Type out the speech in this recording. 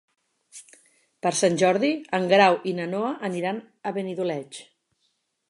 Per Sant Jordi en Grau i na Noa aniran a Benidoleig.